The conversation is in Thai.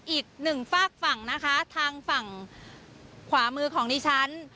อีกหนึ่งฝากฝั่งนะคะทางฝั่งขวามือของดิฉัน